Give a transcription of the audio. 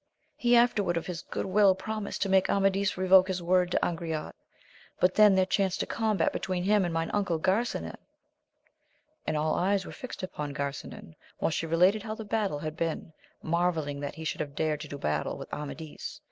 He afterward of his good will promised to make Amadis revoke his word to Angriote : but then there chanced a combat between him and mine Uncle Garsinan; and all eyes were fixed upon Garsinan while she related how the battle had been, marvelling that he should have dared do battle with Amadis.